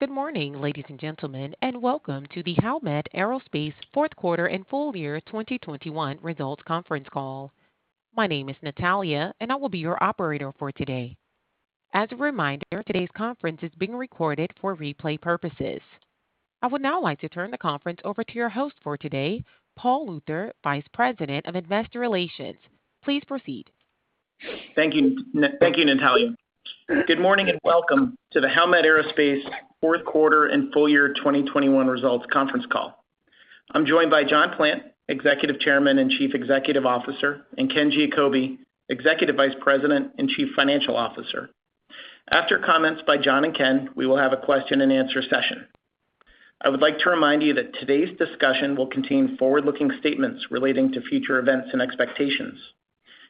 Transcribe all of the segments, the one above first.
Good morning, ladies and gentlemen, and welcome to the Howmet Aerospace Fourth Quarter and Full Year 2021 Results Conference Call. My name is Natalia, and I will be your operator for today. As a reminder, today's conference is being recorded for replay purposes. I would now like to turn the conference over to your host for today, Paul Luther, Vice President of Investor Relations. Please proceed. Thank you, Natalia. Good morning, and welcome to the Howmet Aerospace Fourth Quarter and Full Year 2021 Results Conference Call. I'm joined by John Plant, Executive Chairman and Chief Executive Officer, and Ken Giacobbe, Executive Vice President and Chief Financial Officer. After comments by John and Ken, we will have a question-and-answer session. I would like to remind you that today's discussion will contain forward-looking statements relating to future events and expectations.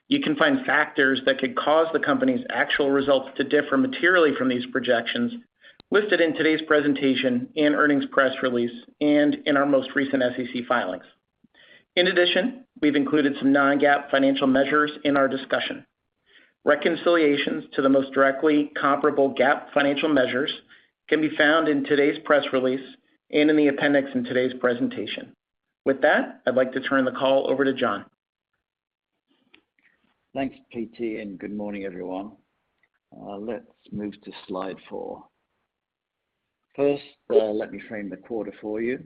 You can find factors that could cause the company's actual results to differ materially from these projections listed in today's presentation and earnings press release and in our most recent SEC filings. In addition, we've included some non-GAAP financial measures in our discussion. Reconciliations to the most directly comparable GAAP financial measures can be found in today's press release and in the appendix in today's presentation. With that, I'd like to turn the call over to John. Thanks, PT, and good morning, everyone. Let's move to slide four. First, let me frame the quarter for you.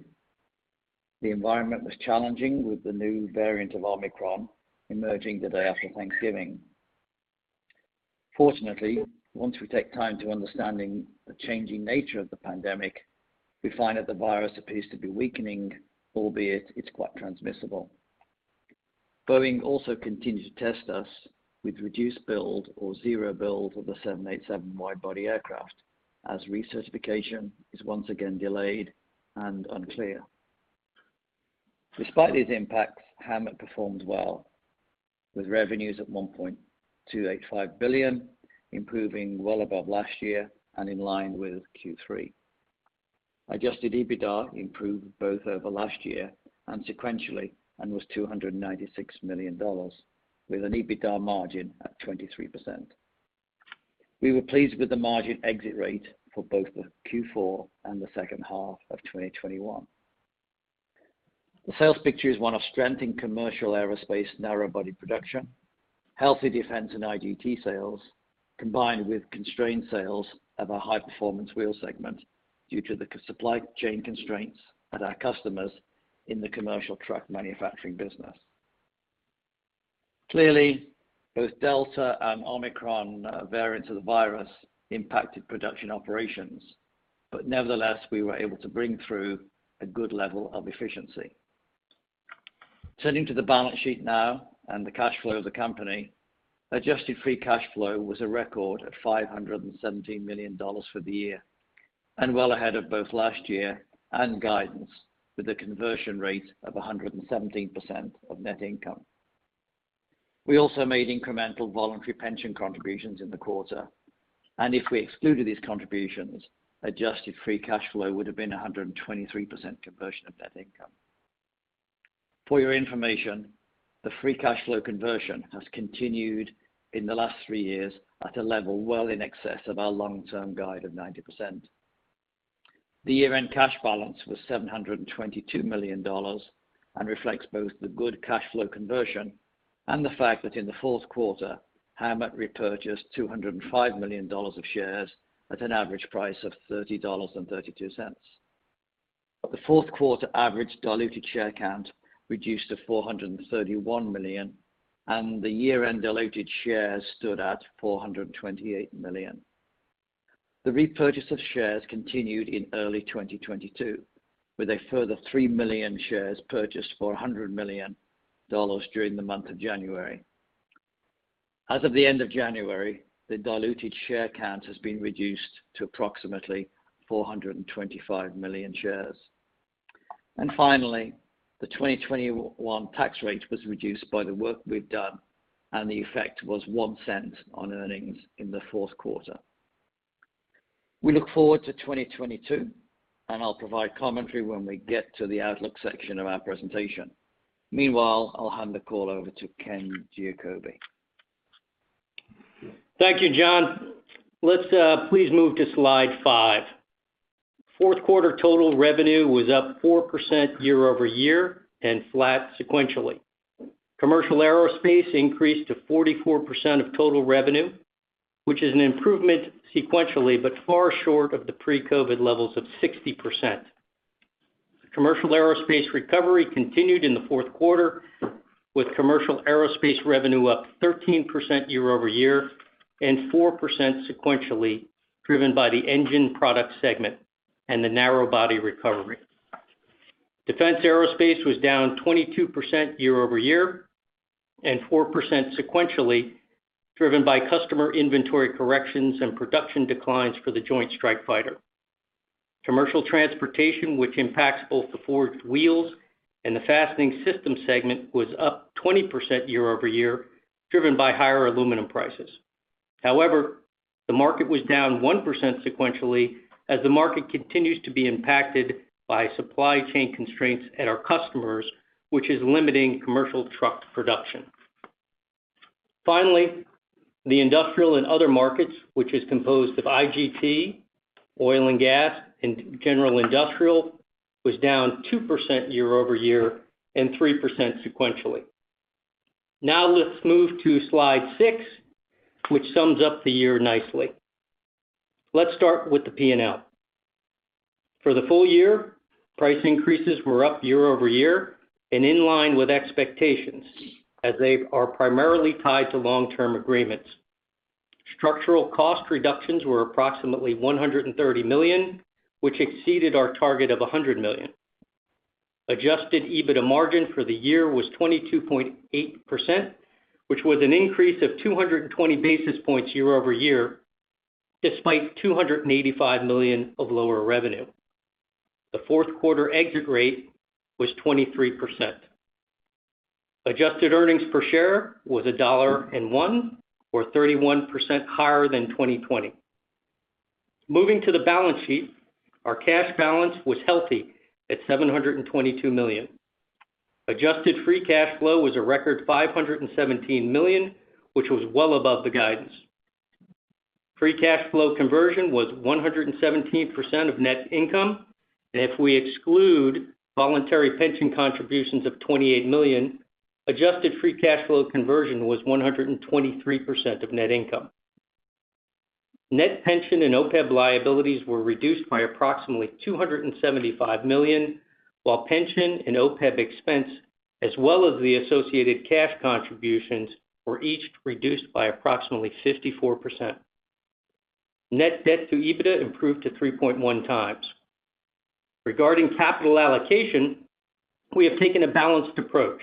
The environment was challenging with the new variant of Omicron emerging the day after Thanksgiving. Fortunately, once we take time to understand the changing nature of the pandemic, we find that the virus appears to be weakening, albeit it's quite transmissible. Boeing also continued to test us with reduced build or zero build of the 787 wide body aircraft as recertification is once again delayed and unclear. Despite these impacts, Howmet performed well, with revenues at $1.285 billion, improving well above last year and in line with Q3. Adjusted EBITDA improved both over last year and sequentially, and was $296 million, with an EBITDA margin at 23%. We were pleased with the margin exit rate for both the Q4 and the second half of 2021. The sales picture is one of strength in commercial aerospace narrow body production, healthy defense in IGT sales, combined with constrained sales of our high-performance wheel segment due to the supply chain constraints at our customers in the commercial truck manufacturing business. Clearly, both Delta and Omicron variants of the virus impacted production operations, but nevertheless, we were able to bring through a good level of efficiency. Turning to the balance sheet now and the cash flow of the company, adjusted free cash flow was a record at $517 million for the year, and well ahead of both last year and guidance, with a conversion rate of 117% of net income. We also made incremental voluntary pension contributions in the quarter, and if we excluded these contributions, adjusted free cash flow would have been 123% conversion of net income. For your information, the free cash flow conversion has continued in the last three years at a level well in excess of our long-term guide of 90%. The year-end cash balance was $722 million and reflects both the good cash flow conversion and the fact that in the fourth quarter, Howmet repurchased $205 million of shares at an average price of $30.32. The fourth quarter average diluted share count reduced to 431 million, and the year-end diluted shares stood at 428 million. The repurchase of shares continued in early 2022, with a further 3 million shares purchased for $100 million during the month of January. As of the end of January, the diluted share count has been reduced to approximately 425 million shares. Finally, the 2021 tax-rate was reduced by the work we've done, and the effect was $0.01 on earnings in the fourth quarter. We look forward to 2022, and I'll provide commentary when we get to the outlook section of our presentation. Meanwhile, I'll hand the call over to Ken Giacobbe. Thank you, John. Let's please move to slide five. Fourth quarter total revenue was up 4% year-over-year and flat sequentially. Commercial aerospace increased to 44% of total revenue, which is an improvement sequentially, but far short of the pre-COVID levels of 60%. Commercial aerospace recovery continued in the fourth quarter with commercial aerospace revenue up 13% year-over-year and 4% sequentially, driven by the Engine Products segment and the narrow-body recovery. Defense aerospace was down 22% year-over-year and 4% sequentially, driven by customer inventory corrections and production declines for the Joint Strike Fighter. Commercial transportation, which impacts both the Forged Wheels and the Fastening Systems segment, was up 20% year-over-year, driven by higher aluminum prices. However, the market was down 1% sequentially as the market continues to be impacted by supply chain constraints at our customers, which is limiting commercial truck production. Finally, the industrial and other markets, which is composed of IGT, oil and gas, and general industrial, was down 2% year-over-year and 3% sequentially. Now let's move to slide six, which sums up the year nicely. Let's start with the P&L. For the full-year, price increases were up year-over-year and in line with expectations as they are primarily tied to long-term agreements. Structural cost reductions were approximately $130 million, which exceeded our target of $100 million. Adjusted EBITDA margin for the year was 22.8%, which was an increase of 220 basis points year-over-year, despite $285 million of lower revenue. The fourth quarter exit rate was 23%. Adjusted earnings per share was $1.01, or 31% higher than 2020. Moving to the balance sheet, our cash balance was healthy at $722 million. Adjusted free cash flow was a record $517 million, which was well above the guidance. Free cash flow conversion was 117% of net income. If we exclude voluntary pension contributions of $28 million, adjusted free cash flow conversion was 123% of net income. Net pension and OPEB liabilities were reduced by approximately $275 million, while pension and OPEB expense as well as the associated cash contributions were each reduced by approximately 54%. Net debt to EBITDA improved to 3.1x. Regarding capital allocation, we have taken a balanced approach.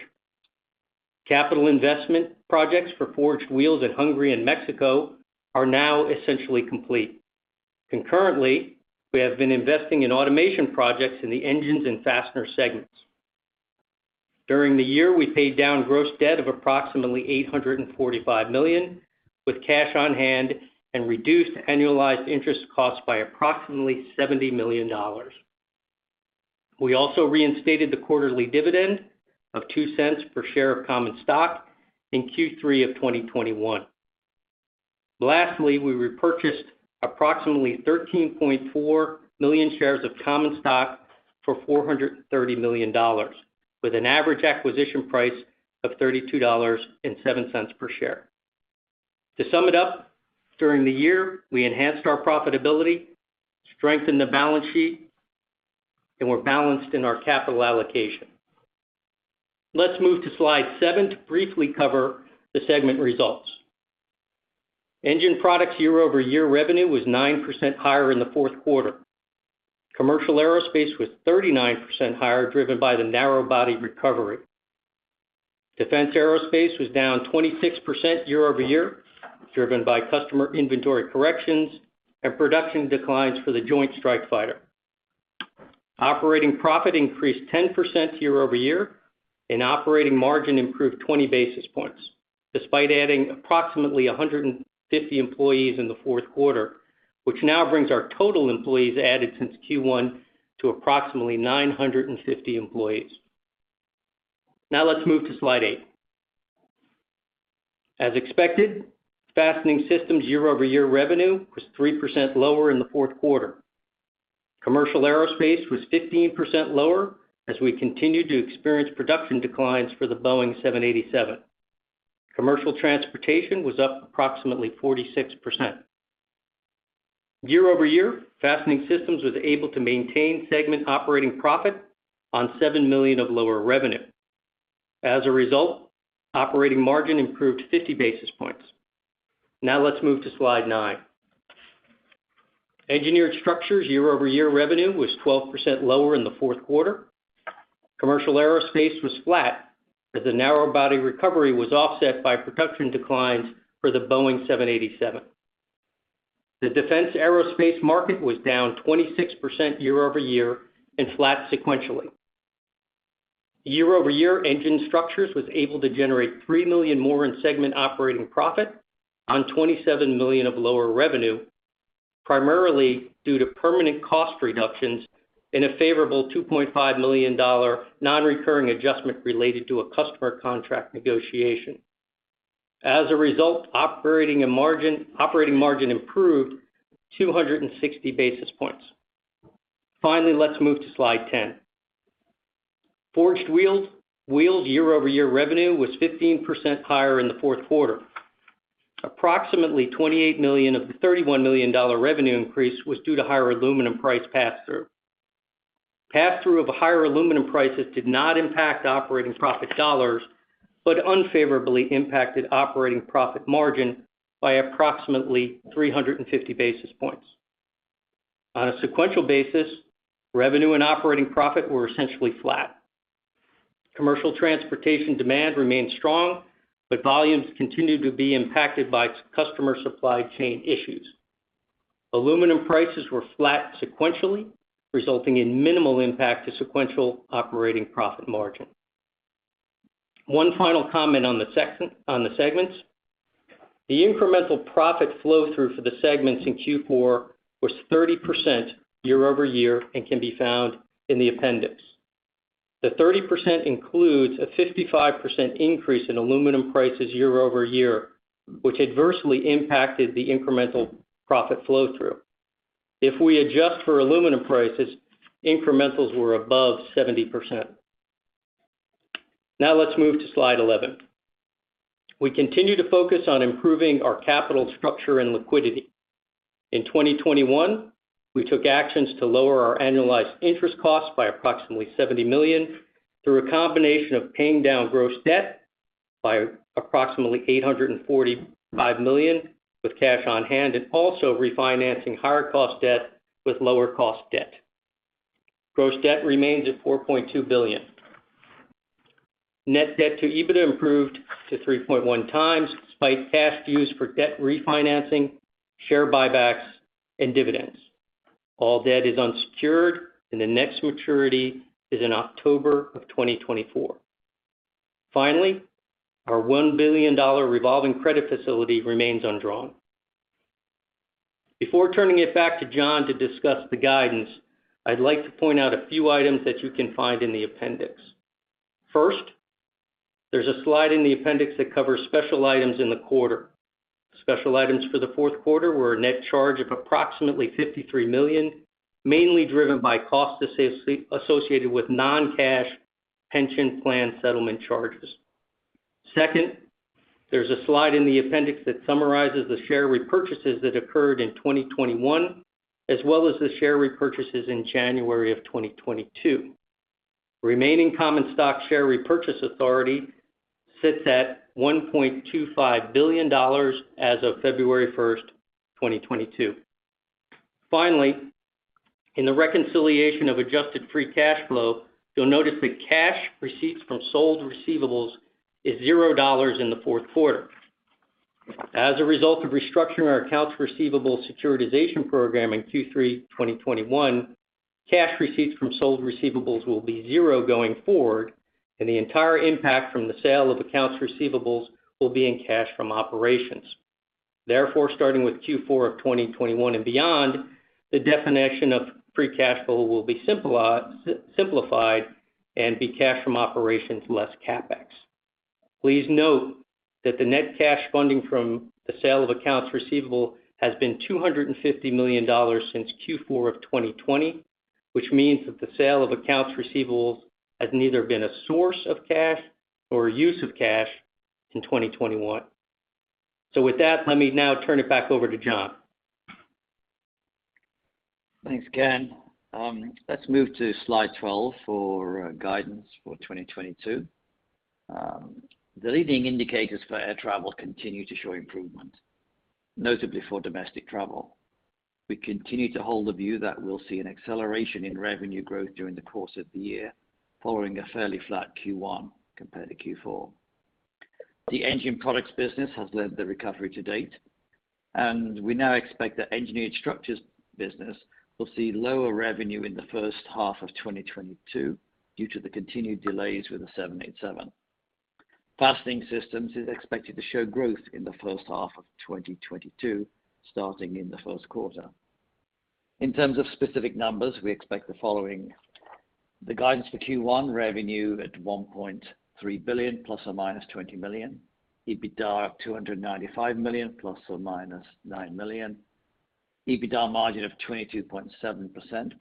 Capital investment projects for Forged Wheels at Hungary and Mexico are now essentially complete. Concurrently, we have been investing in automation projects in the Engine and Fastening segments. During the year, we paid down gross debt of approximately $845 million with cash on hand and reduced annualized interest costs by approximately $70 million. We also reinstated the quarterly dividend of $0.02 per share of common stock in Q3 of 2021. Lastly, we repurchased approximately 13.4 million shares of common stock for $430 million, with an average acquisition price of $32.07 per share. To sum it up, during the year, we enhanced our profitability, strengthened the balance sheet, and were balanced in our capital allocation. Let's move to slide seven to briefly cover the segment results. Engine Products year-over-year revenue was 9% higher in the fourth quarter. Commercial aerospace was 39% higher, driven by the narrow body recovery. Defense aerospace was down 26% year-over-year, driven by customer inventory corrections and production declines for the Joint Strike Fighter. Operating profit increased 10% year-over-year, and operating margin improved 20 basis points despite adding approximately 150 employees in the fourth quarter, which now brings our total employees added since Q1 to approximately 950 employees. Now let's move to slide eight. As expected, Fastening Systems year-over-year revenue was 3% lower in the fourth quarter. Commercial aerospace was 15% lower as we continued to experience production declines for the Boeing 787. Commercial transportation was up approximately 46%. Year-over-year, Fastening Systems was able to maintain segment operating profit on $7 million of lower revenue. As a result, operating margin improved 50 basis points. Now let's move to slide nine. Engineered Structures year-over-year revenue was 12% lower in the fourth quarter. Commercial aerospace was flat as the narrow-body recovery was offset by production declines for the Boeing 787. The defense aerospace market was down 26% year-over-year and flat sequentially. Year-over-year, Engineered Structures was able to generate $3 million more in segment operating profit on $27 million of lower revenue, primarily due to permanent cost reductions in a favorable $2.5 million non-recurring adjustment related to a customer contract negotiation. As a result, operating margin improved 260 basis points. Finally, let's move to slide 10. Forged Wheels year-over-year revenue was 15% higher in the fourth quarter. Approximately $28 million of the $31 million revenue increase was due to higher aluminum price pass-through. Pass-through of higher aluminum prices did not impact operating profit dollars, but unfavorably impacted operating profit margin by approximately 350 basis points. On a sequential basis, revenue and operating profit were essentially flat. Commercial transportation demand remained strong, but volumes continued to be impacted by customer supply chain issues. Aluminum prices were flat sequentially, resulting in minimal impact to sequential operating profit margin. One final comment on the segments. The incremental profit flow through for the segments in Q4 was 30% year-over-year and can be found in the appendix. The 30% includes a 55% increase in aluminum prices year-over-year, which adversely impacted the incremental profit flow through. If we adjust for aluminum prices, incrementals were above 70%. Now let's move to slide 11. We continue to focus on improving our capital structure and liquidity. In 2021, we took actions to lower our annualized interest costs by approximately $70 million through a combination of paying down gross debt by approximately $845 million with cash on hand, and also refinancing higher cost debt with lower cost debt. Gross debt remains at $4.2 billion. Net debt to EBITDA improved to 3.1x, despite cash used for debt refinancing, share buybacks, and dividends. All debt is unsecured, and the next maturity is in October of 2024. Finally, our $1 billion revolving credit facility remains undrawn. Before turning it back to John to discuss the guidance, I'd like to point out a few items that you can find in the appendix. First, there's a slide in the appendix that covers special items in the quarter. Special items for the fourth quarter were a net charge of approximately $53 million, mainly driven by costs associated with non-cash pension plan settlement charges. Second, there's a slide in the appendix that summarizes the share repurchases that occurred in 2021, as well as the share repurchases in January of 2022. Remaining common stock share repurchase authority sits at $1.25 billion as of February 1, 2022. Finally, in the reconciliation of adjusted free cash flow, you'll notice that cash receipts from sold receivables is $0 in the fourth quarter. As a result of restructuring our accounts receivable securitization program in Q3 2021, cash receipts from sold receivables will be $0 going forward, and the entire impact from the sale of accounts receivables will be in cash from operations. Therefore, starting with Q4 of 2021 and beyond, the definition of free cash flow will be simplified and be cash from operations less CapEx. Please note that the net cash funding from the sale of accounts receivable has been $250 million since Q4 of 2020, which means that the sale of accounts receivables has neither been a source of cash nor a use of cash in 2021. With that, let me now turn it back over to John. Thanks, Ken. Let's move to slide 12 for guidance for 2022. The leading indicators for air travel continue to show improvement, notably for domestic travel. We continue to hold the view that we'll see an acceleration in revenue growth during the course of the year, following a fairly flat Q1 compared to Q4. The Engine Products business has led the recovery to date, and we now expect that Engineered Structures business will see lower revenue in the first half of 2022 due to the continued delays with the 787. Fastening Systems is expected to show growth in the first half of 2022, starting in the first quarter. In terms of specific numbers, we expect the following. The guidance for Q1 revenue at $1.3 billion ±$20 million. EBITDA of $295 million ± $9 million. EBITDA margin of 22.7%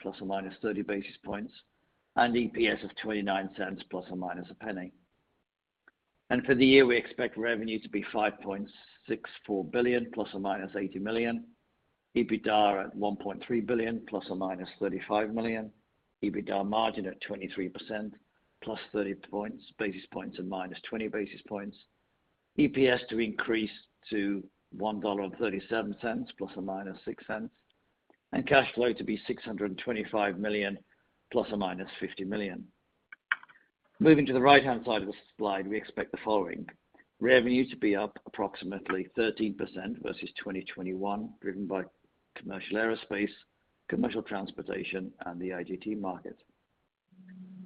± 30 basis points, and EPS of $0.29 ± $0.01. For the year, we expect revenue to be $5.64 billion ± $80 million. EBITDA at $1.3 billion ± $35 million. EBITDA margin at 23%+ 30 basis points and -20 basis points. EPS to increase to $1.37 ± $0.06. Cash flow to be $625 million ± $50 million. Moving to the right-hand side of the slide, we expect the following. Revenue to be up approximately 13% versus 2021, driven by commercial aerospace, commercial transportation, and the IGT market.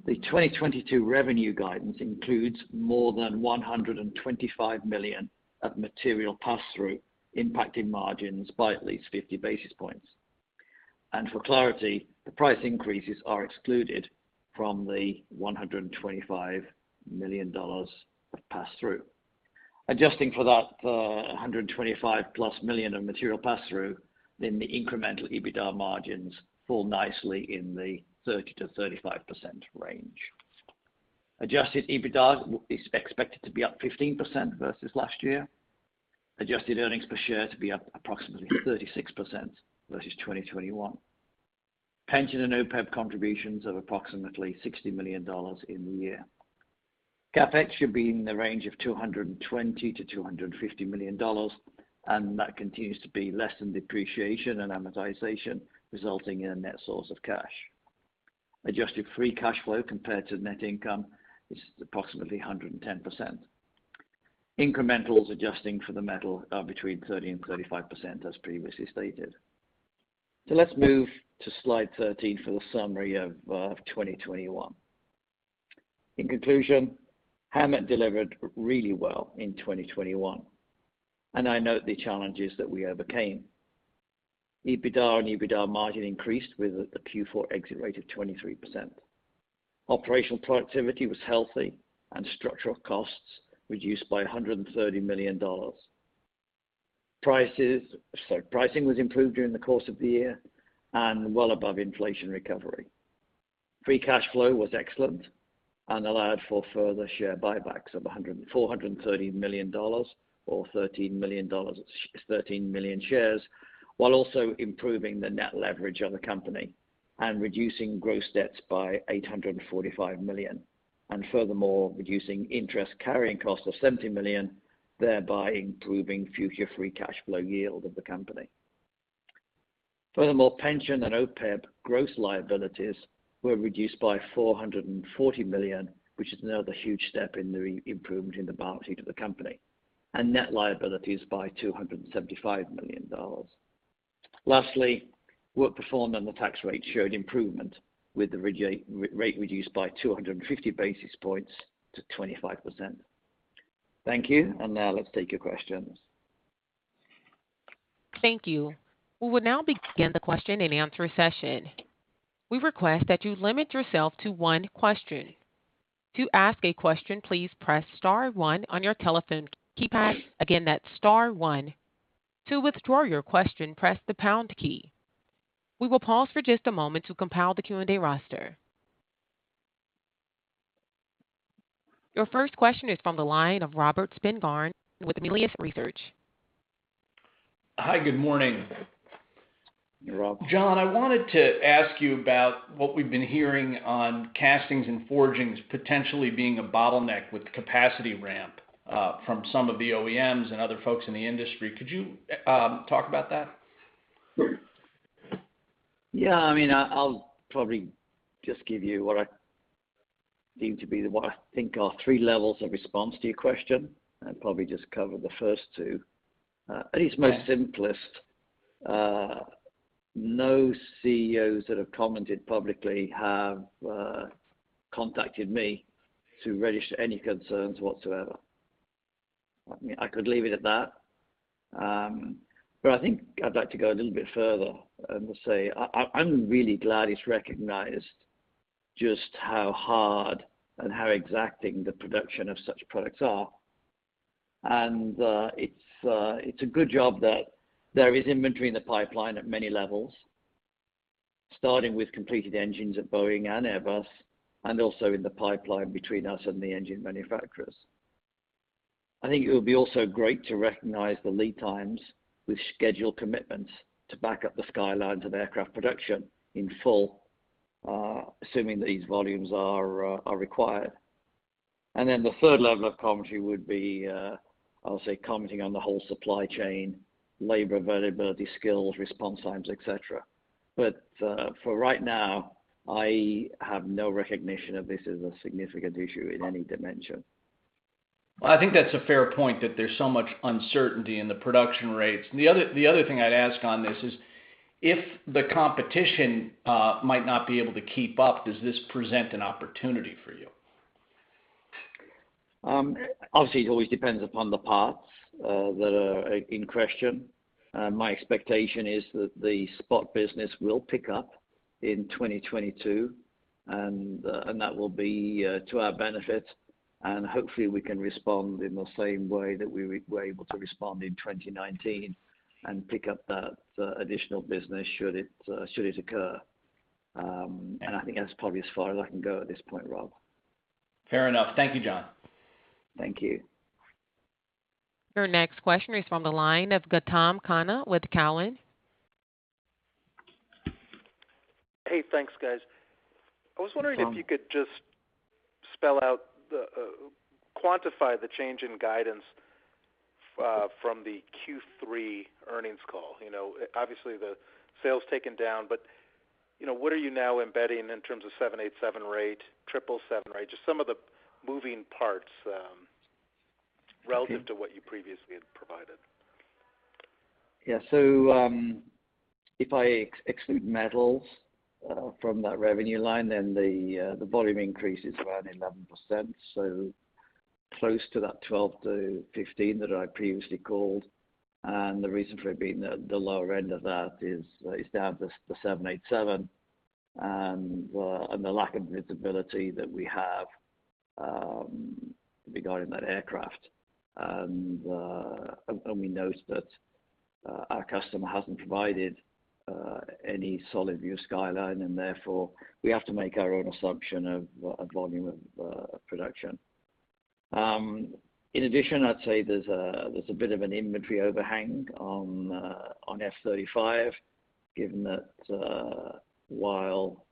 2022 revenue guidance includes more than $125 million of material pass-through impacting margins by at least 50 basis points. For clarity, the price increases are excluded from the $125 million of pass-through. Adjusting for that, $125+ million of material pass-through, then the incremental EBITDA margins fall nicely in the 30%-35% range. Adjusted EBITDA is expected to be up 15% versus last year. Adjusted earnings per share is expected to be up approximately 36% versus 2021. Pension and OPEB contributions of approximately $60 million in the year. CapEx should be in the range of $220 million-$250 million, and that continues to be less than depreciation and amortization, resulting in a net source of cash. Adjusted free cash flow compared to net income is approximately 110%. Incrementals adjusting for the metal are between 30%-35%, as previously stated. Let's move to slide 13 for the summary of 2021. In conclusion, Howmet delivered really well in 2021, and I note the challenges that we overcame. EBITDA and EBITDA margin increased with a Q4 exit-rate of 23%. Operational productivity was healthy and structural costs reduced by $130 million. Pricing was improved during the course of the year and well above inflation recovery. Free cash flow was excellent and allowed for further share buybacks of $430 million or 13 million shares, while also improving the net leverage of the company and reducing gross debts by $845 million, and furthermore, reducing interest carrying costs of $70 million, thereby improving future free cash flow yield of the company. Furthermore, pension and OPEB gross liabilities were reduced by $440 million, which is another huge step in the improvement in the balance sheet of the company, and net liabilities by $275 million. Lastly, work performed on the tax-rate showed improvement with the rate reduced by 250 basis points to 25%. Thank you. Now let's take your questions. Thank you. We will now begin the question and answer session. We request that you limit yourself to one question. To ask a question, please press star one on your telephone keypad. Again, that's star one. To withdraw your question, press the pound key. We will pause for just a moment to compile the Q&A roster. Your first question is from the line of Robert Spingarn with Melius Research. Hi, good morning. You're on. John, I wanted to ask you about what we've been hearing on castings and forgings potentially being a bottleneck with capacity ramp from some of the OEMs and other folks in the industry. Could you talk about that? Sure. Yeah, I mean, I'll probably just give you what I think are three levels of response to your question. I'd probably just cover the first two. At its most simplest, no CEOs that have commented publicly have contacted me to register any concerns whatsoever. I mean, I could leave it at that, but I think I'd like to go a little bit further and say I'm really glad it's recognized just how hard and how exacting the production of such products are. It's a good job that there is inventory in the pipeline at many levels, starting with completed engines at Boeing and Airbus and also in the pipeline between us and the engine manufacturers. I think it would be also great to recognize the lead times with scheduled commitments to back up the skylines of aircraft production in full, assuming these volumes are required. The third level of commentary would be, I'll say, commenting on the whole supply chain, labor availability, skills, response times, etc. For right now, I have no recognition of this as a significant issue in any dimension. I think that's a fair point that there's so much uncertainty in the production rates. The other thing I'd ask on this is, if the competition might not be able to keep up, does this present an opportunity for you? Obviously, it always depends upon the parts that are in question. My expectation is that the spot business will pick up in 2022, and that will be to our benefit. Hopefully we can respond in the same way that we were able to respond in 2019 and pick up that additional business should it occur. I think that's probably as far as I can go at this point, Rob. Fair enough. Thank you, John. Thank you. Your next question is from the line of Gautam Khanna with Cowen. Hey, thanks, guys. Gautam. I was wondering if you could just spell out, quantify the change in guidance from the Q3 earnings call. You know, obviously the sales taken down, but, you know, what are you now embedding in terms of 787 rate, 777 rate? Just some of the moving parts. Okay Relative to what you previously had provided. Yeah. If I exclude metals from that revenue line, then the volume increase is around 11%, so close to that 12%-15% that I previously called. The reason for it being the lower end of that is down to the 787 and the lack of visibility that we have regarding that aircraft. We note that our customer hasn't provided any solid view on the line, and therefore we have to make our own assumption of volume of production. In addition, I'd say there's a bit of an inventory overhang on F-35, given that while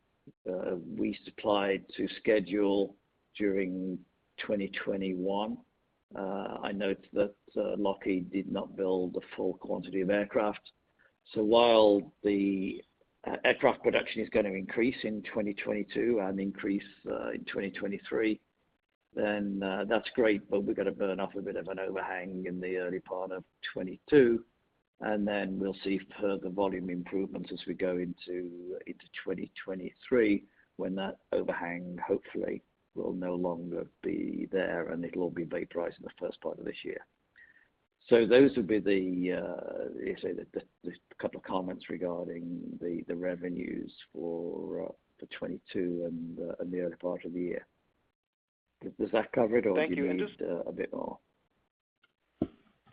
we supplied to schedule during 2021, I note that Lockheed did not build the full quantity of aircraft. While the aircraft production is gonna increase in 2022 and increase in 2023, that's great, but we're gonna burn off a bit of an overhang in the early part of 2022, and then we'll see further volume improvements as we go into 2023, when that overhang hopefully will no longer be there, and it'll all be vaporized in the first part of this year. Those would be the, let's say, the couple of comments regarding the revenues for 2022 and the early part of the year. Does that cover it or do you? Thank you. Need a bit more?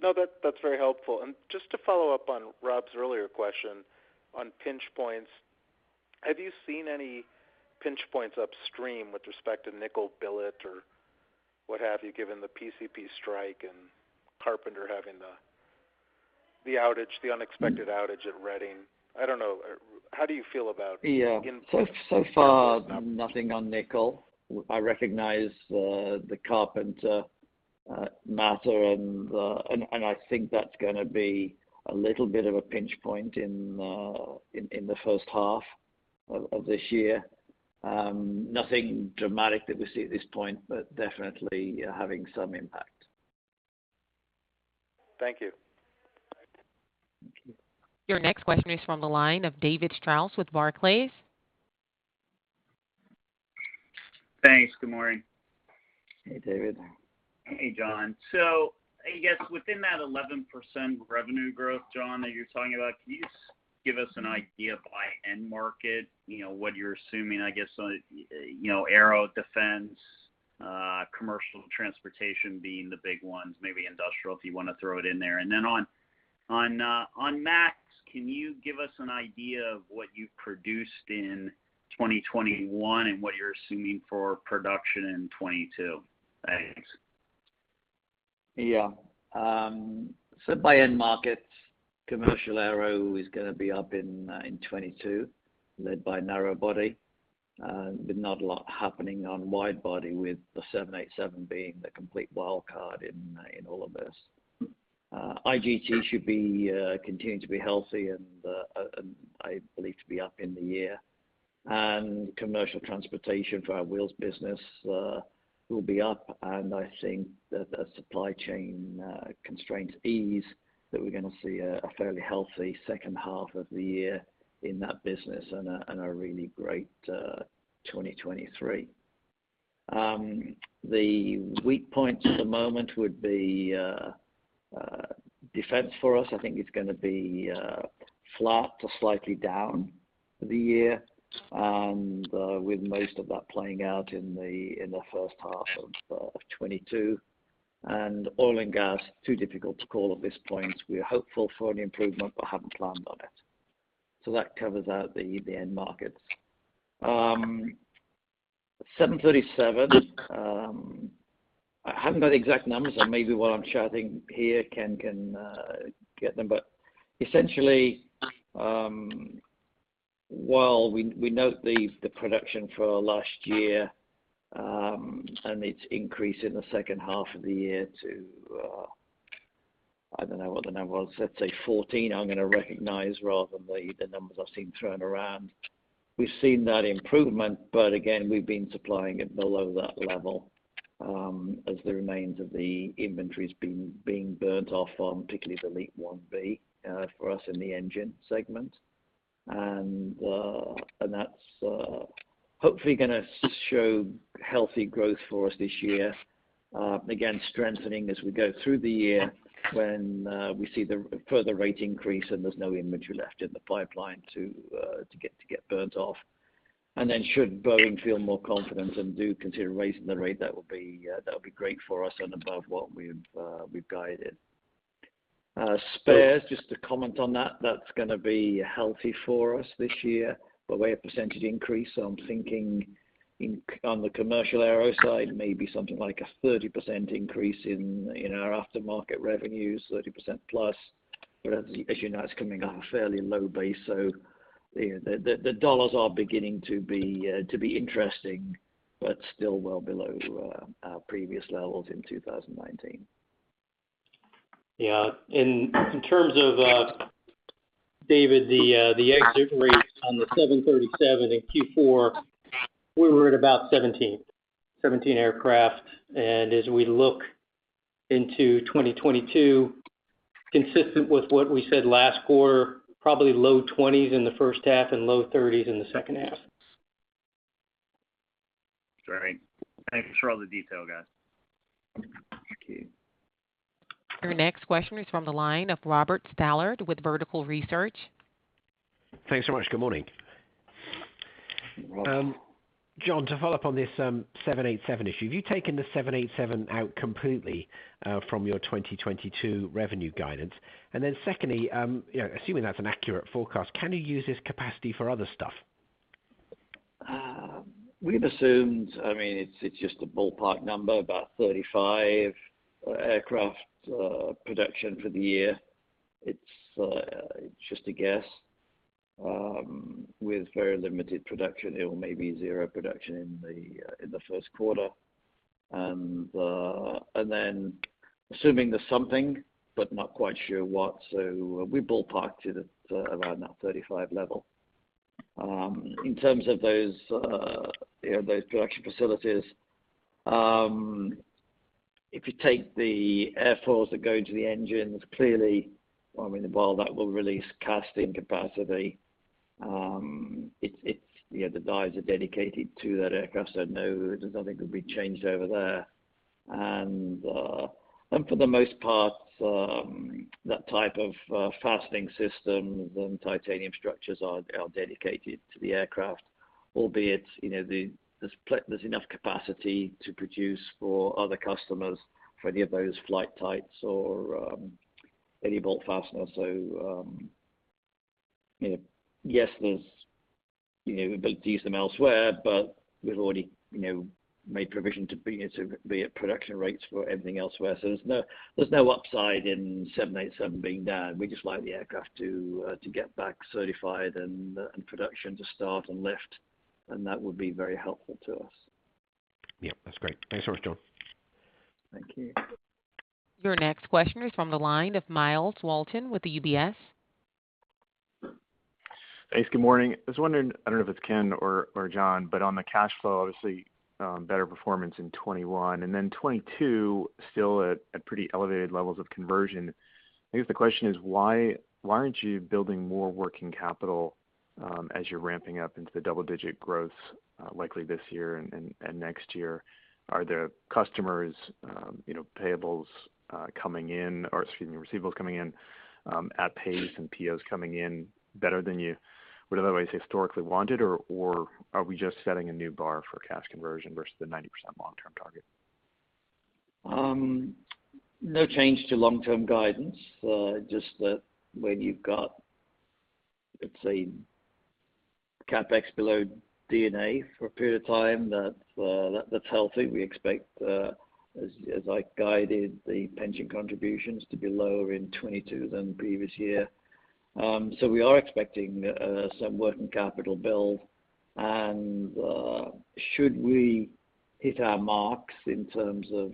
No, that's very helpful. Just to follow-up on Rob's earlier question on pinch points, have you seen any pinch points upstream with respect to nickel billet or what have you, given the PCP strike and Carpenter having the unexpected outage at Reading? I don't know, how do you feel about? Yeah. Pinch points? So far nothing on nickel. I recognize the Carpenter matter and I think that's gonna be a little bit of a pinch point in the first half of this year. Nothing dramatic that we see at this point, but definitely having some impact. Thank you. Thank you. Your next question is from the line of David Strauss with Barclays. Thanks. Good morning. Hey, David. Hey, John. I guess within that 11% revenue growth, John, that you're talking about, can you just give us an idea by end-market, you know, what you're assuming, I guess, you know, aero, defense, commercial transportation being the big ones, maybe industrial, if you wanna throw it in there. On Max, can you give us an idea of what you produced in 2021 and what you're assuming for production in 2022? Thanks. Yeah. By end market, commercial aero is gonna be up in 2022, led by narrow body, with not a lot happening on wide body with the 787 being the complete wild card in all of this. IGT should be continuing to be healthy and I believe to be up in the year. Commercial transportation for our wheels business will be up, and I think that as supply chain constraints ease, that we're gonna see a fairly healthy second half of the year in that business and a really great 2023. The weak point at the moment would be defense for us. I think it's gonna be flat to slightly down for the year, with most of that playing out in the first half of 2022. Oil and gas too difficult to call at this point. We're hopeful for an improvement but haven't planned on it. That covers the end markets. 737, I haven't got the exact numbers, so maybe while I'm chatting here, Ken can get them. But essentially, while we note the production for last year and its increase in the second half of the year to, I don't know what the number was, let's say 14, I'm gonna recognize rather than the numbers I've seen thrown around. We've seen that improvement, but again, we've been supplying it below that level, as the remains of the inventory's being burned off on particularly the LEAP-1B for us in the engine segment. That's hopefully gonna show healthy growth for us this year. Again, strengthening as we go through the year when we see the further rate increase and there's no inventory left in the pipeline to get burned off. Then should Boeing feel more confident and do consider raising the rate, that would be great for us and above what we've guided. Spares, just to comment on that's gonna be healthy for us this year by way of percentage increase. I'm thinking in, on the commercial aero side, maybe something like a 30% increase in our aftermarket revenues, 30%+. But as you know, it's coming off a fairly low base, so the dollars are beginning to be interesting, but still well below our previous levels in 2019. Yeah. In terms of David, the exit rates on the 737 in Q4, we were at about 17 aircraft. As we look into 2022, consistent with what we said last quarter, probably low 20s in the first half and low 30s in the second half. Great. Thanks for all the detail, guys. Thank you. Your next question is from the line of Robert Stallard with Vertical Research. Thanks so much. Good morning. Rob. John, to follow-up on this, 787 issue, have you taken the 787 out completely from your 2022 revenue guidance? Then secondly, you know, assuming that's an accurate forecast, can you use this capacity for other stuff? We've assumed it's just a ballpark number, about 35 aircraft production for the year. It's just a guess with very limited production or maybe zero production in the first quarter. Assuming there's something, but not quite sure what, so we ballparked it at around that 35 level. In terms of those production facilities, if you take the airfoils that go into the engines, clearly that will release casting capacity. It's the dies are dedicated to that aircraft, so no, there's nothing that could be changed over there. For the most part, that type of fastening system, the titanium structures are dedicated to the aircraft, albeit, you know, there's enough capacity to produce for other customers for any of those flight types or any bolt fastener. You know, yes, there's, you know, we built DSM elsewhere, but we've already, you know, made provision to be at production rates for everything elsewhere. There's no upside in 787 being down. We'd just like the aircraft to get back certified and production to start and lift, and that would be very helpful to us. Yeah, that's great. Thanks very much, John. Thank you. Your next question is from the line of Myles Walton with UBS. Thanks. Good morning. I was wondering, I don't know if it's Ken or John, but on the cash flow, obviously, better performance in 2021. 2022 still at pretty elevated levels of conversion. I guess the question is why aren't you building more working capital, as you're ramping-up into the double-digit growth, likely this year and next year? Are there customers, you know, payables, coming in or, excuse me, receivables coming in, at pace and POs coming in better than you would otherwise historically wanted? Or are we just setting a new bar for cash conversion versus the 90% long-term target? No change to long-term guidance. Just that when you've got, let's say, CapEx below D&A for a period of time, that's healthy. We expect, as I guided the pension contributions to be lower in 2022 than previous year. We are expecting some working capital build and should we hit our marks in terms of,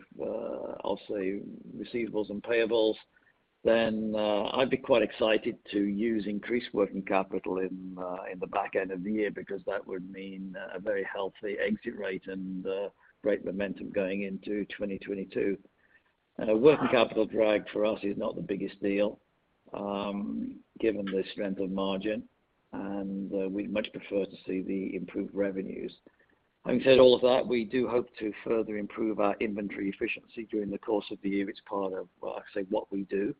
I'll say receivables and payables, then I'd be quite excited to use increased working capital in the back-end of the year because that would mean a very healthy exit-rate and great momentum going into 2022. A working capital drag for us is not the biggest deal, given the strength of margin, and we'd much prefer to see the improved revenues. Having said all of that, we do hope to further improve our inventory efficiency during the course of the year. It's part of, I'd say what we do.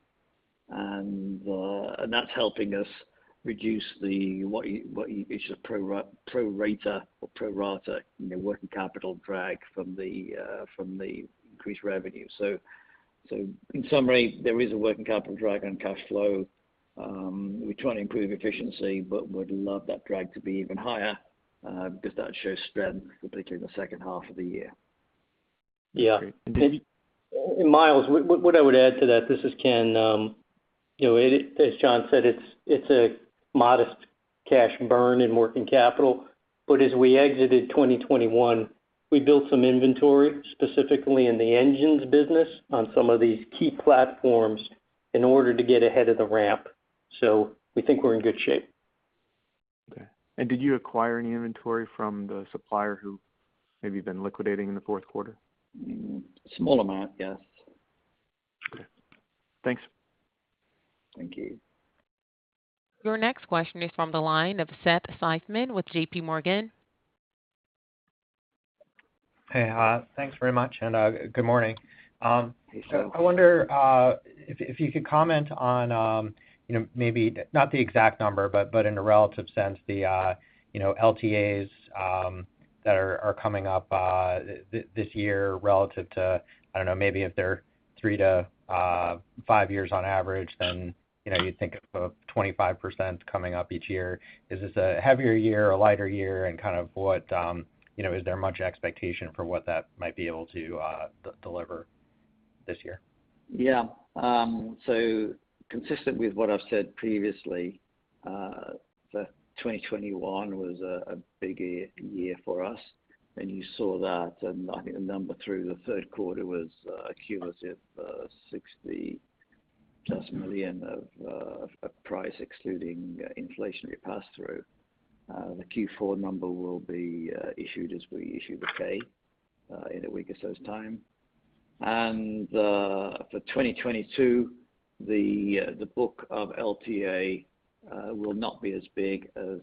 That's helping us reduce the pro rata, you know, working capital drag from the increased revenue. In summary, there is a working capital drag on cash flow. We're trying to improve efficiency, but would love that drag to be even higher because that shows strength, particularly in the second half of the year. Yeah. Great. And, Myles, what I would add to that, this is Ken, you know, it as John said, it's a modest cash burn in working capital. As we exited 2021, we built some inventory, specifically in the engines business on some of these key platforms in order to get ahead of the ramp. We think we're in good shape. Okay. Did you acquire any inventory from the supplier who may have been liquidating in the fourth quarter? Small amount, yes. Okay. Thanks. Thank you. Your next question is from the line of Seth Seifman with JPMorgan. Hey, thanks very much. Good morning. Hey, Seth. I wonder if you could comment on you know maybe not the exact number but in a relative sense the you know LTAs that are coming up this year relative to I don't know maybe if they're three to five years on average then you know you'd think of 25% coming up each year. Is this a heavier year or a lighter year? Kind of what you know is there much expectation for what that might be able to deliver this year? Yeah. So consistent with what I've said previously, that 2021 was a big year for us. You saw that, and I think the number through the third quarter was cumulative $60+ million of price excluding inflationary pass-through. The Q4 number will be issued as we issue the 8-K in a week or so's time. For 2022, the book of LTA will not be as big as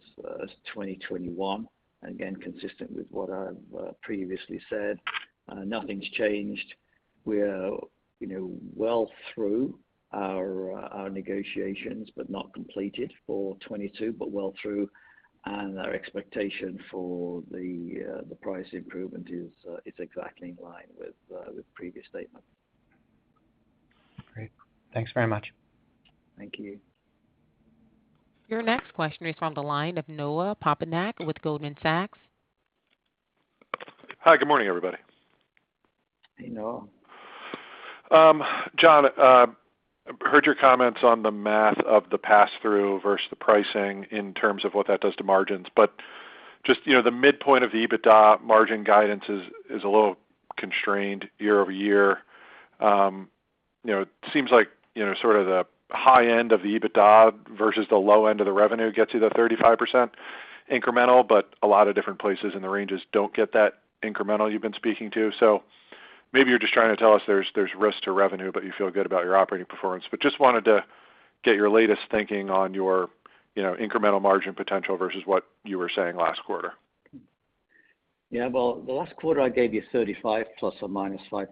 2021. Again, consistent with what I've previously said. Nothing's changed. We're, you know, well through our negotiations, but not completed for 2022, but well through. Our expectation for the price improvement is exactly in line with previous statements. Great. Thanks very much. Thank you. Your next question is from the line of Noah Poponak with Goldman Sachs. Hi. Good morning, everybody. Hey, Noah. John, I heard your comments on the math of the pass-through versus the pricing in terms of what that does to margins. Just, you know, the midpoint of the EBITDA margin guidance is a little constrained year-over-year. You know, it seems like, you know, sort of the high-end of the EBITDA versus the low-end of the revenue gets you to 35% incremental, but a lot of different places in the ranges don't get that incremental you've been speaking to. Maybe you're just trying to tell us there's risk to revenue, but you feel good about your operating performance. Just wanted to get your latest thinking on your, you know, incremental margin potential versus what you were saying last quarter. Yeah. Well, the last quarter I gave you a 35 ± 5%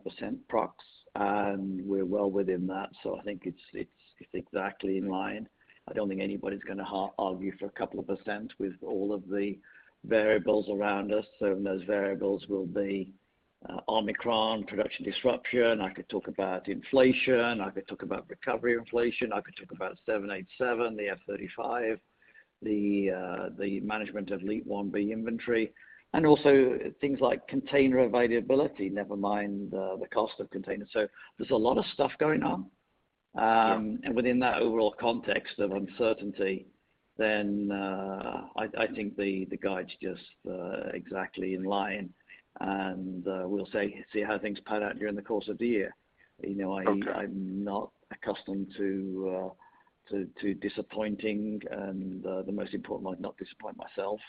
proxy, and we're well within that. I think it's exactly in line. I don't think anybody's gonna argue for a couple of percent with all of the variables around us. Some of those variables will be Omicron production disruption. I could talk about inflation, I could talk about recovery inflation, I could talk about 787, the F-35, the management of LEAP-1B inventory, and also things like container availability, never mind the cost of containers. There's a lot of stuff going on. Yeah. Within that overall context of uncertainty, then, I think the guide's just exactly in line, and we'll see how things pan out during the course of the year. You know, Okay. I'm not accustomed to disappointing, and the most important, I'd not disappoint myself.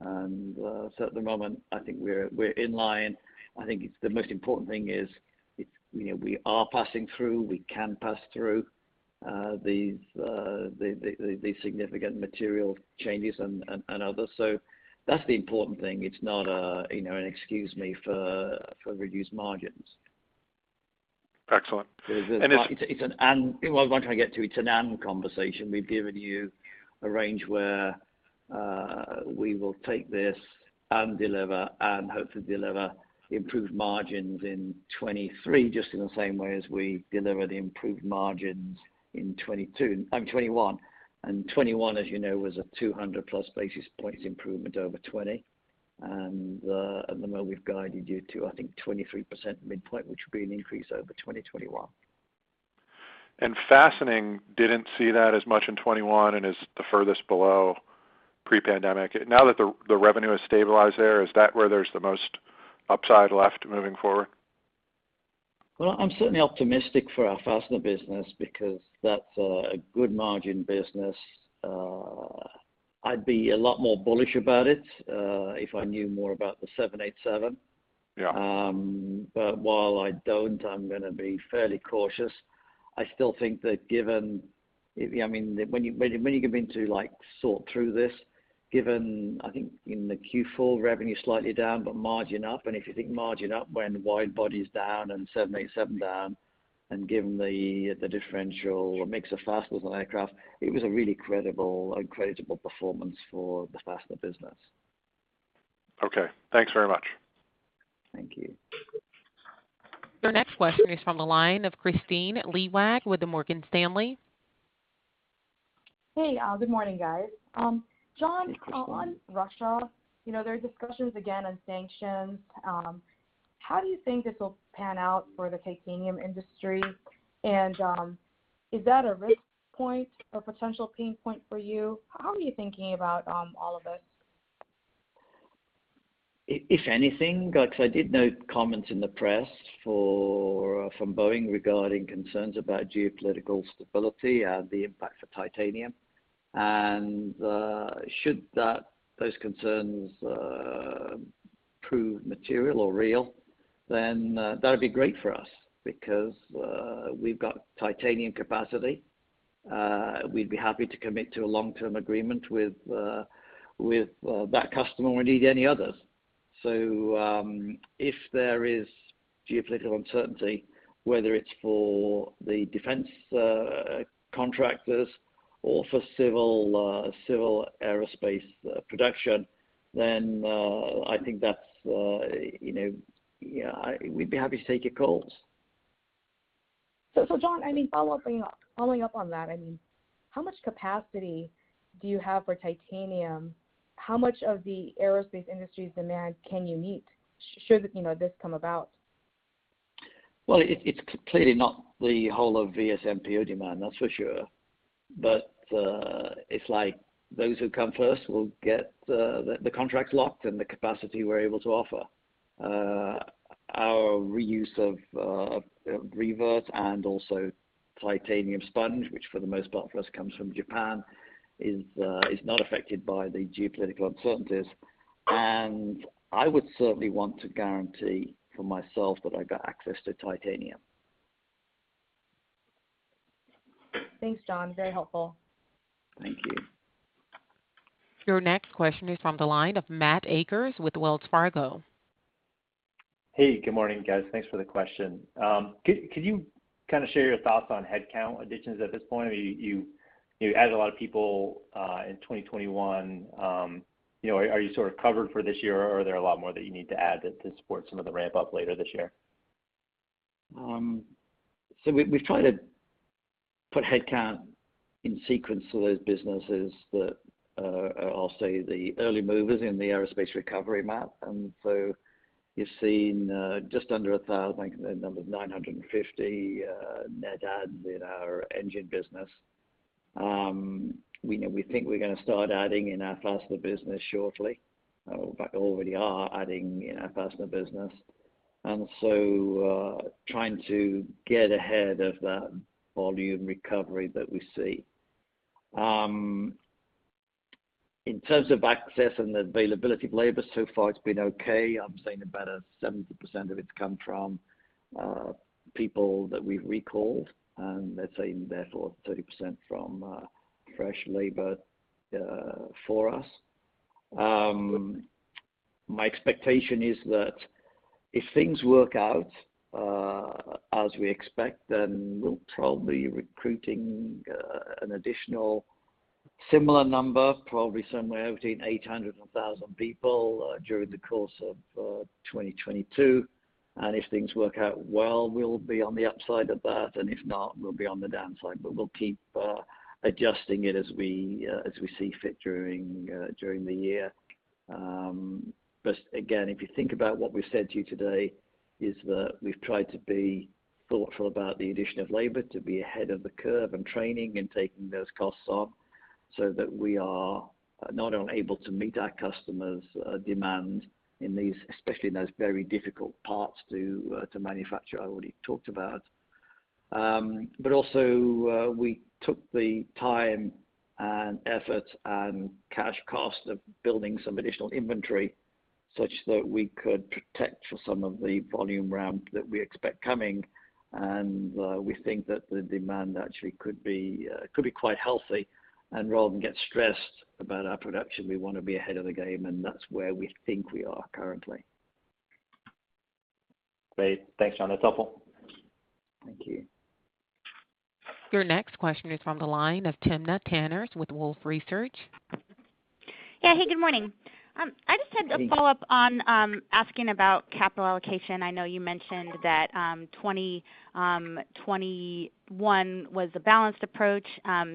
At the moment, I think we're in line. I think the most important thing is, you know, we are passing through, we can pass through these significant material changes and others. That's the important thing. It's not, you know, an excuse for reduced margins. That's fine. Well, what I'm trying to get to, it's an and conversation. We've given you a range where we will take this and deliver and hopefully deliver improved margins in 2023, just in the same way as we deliver the improved margins in 2022, I mean, 2021. 2021, as you know, was a 200+ basis points improvement over 2020. Then where we've guided you to, I think 23% midpoint, which would be an increase over 2020/2021. Fastening didn't see that as much in 2021 and is the furthest below pre-pandemic. Now that the revenue has stabilized there, is that where there's the most upside left moving forward? Well, I'm certainly optimistic for our fastener business because that's a good margin business. I'd be a lot more bullish about it, if I knew more about the 787. Yeah. While I don't, I'm gonna be fairly cautious. I still think that given, I mean, when you get into like sort through this, given, I think in the Q4 revenue's slightly down, but margin up, and if you think margin up when wide-body is down and 787 down, and given the differential or mix of fasteners on aircraft, it was a really credible performance for the fastener business. Okay. Thanks very much. Thank you. Your next question is from the line of Kristine Liwag with Morgan Stanley. Hey, good morning, guys. John, on Russia, you know, there are discussions again on sanctions. How do you think this will pan out for the titanium industry? Is that a risk point or potential pain point for you? How are you thinking about all of this? If anything, because I did note comments in the press from Boeing regarding concerns about geopolitical stability and the impact for titanium. Should those concerns prove material or real, then that would be great for us because we've got titanium capacity. We'd be happy to commit to a long-term agreement with that customer or indeed any others. If there is geopolitical uncertainty, whether it's for the defense contractors or for civil aerospace production, then I think that's you know, yeah, we'd be happy to take your calls. John, I mean, following up on that, I mean, how much capacity do you have for titanium? How much of the aerospace industry's demand can you meet should, you know, this come about? It's clearly not the whole of VSMPO demand, that's for sure. It's like those who come first will get the contract locked and the capacity we're able to offer. Our reuse of revert and also titanium sponge, which for the most part for us comes from Japan, is not affected by the geopolitical uncertainties. I would certainly want to guarantee for myself that I got access to titanium. Thanks, John. Very helpful. Thank you. Your next question is from the line of Matthew Akers with Wells Fargo. Hey, good morning, guys. Thanks for the question. Can you kind of share your thoughts on headcount additions at this point? You added a lot of people in 2021. You know, are you sort of covered for this year or are there a lot more that you need to add that to support some of the ramp up later this year? We've tried to put headcount in sequence to those businesses that are, I'll say, the early movers in the aerospace recovery map. You've seen just under 1,000, I think the number is 950, net adds in our engine business. We think we're gonna start adding in our fastener business shortly. In fact, we already are adding in our fastener business. Trying to get ahead of that volume recovery that we see. In terms of access and availability of labor, so far it's been okay. I'm saying about 70% of it's come from people that we've recalled, and let's say therefore 30% from fresh labor for us. My expectation is that if things work out as we expect, then we're probably recruiting an additional similar number, probably somewhere between 800 and 1,000 people during the course of 2022. If things work out well, we'll be on the upside of that, and if not, we'll be on the downside. We'll keep adjusting it as we see fit during the year. If you think about what we've said to you today, is that we've tried to be thoughtful about the addition of labor to be ahead of the curve in training and taking those costs on so that we are not only able to meet our customers' demand in these, especially in those very difficult parts to manufacture, I already talked about. Also, we took the time and effort and cash costs of building some additional inventory such that we could protect for some of the volume ramp that we expect coming. We think that the demand actually could be quite healthy. Rather than get stressed about our production, we wanna be ahead of the game, and that's where we think we are currently. Great. Thanks, John. That's helpful. Thank you. Your next question is from the line of Timna Tanners with Wolfe Research. Yeah. Hey, good morning. Hey I just have a follow-up on asking about capital allocation. I know you mentioned that 2021 was a balanced approach.